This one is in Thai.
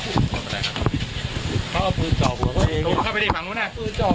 ไปทำแผนจุดเริ่มต้นที่เข้ามาที่บ่อนที่พระราม๓ซอย๖๖เลยนะครับทุกผู้ชมครับ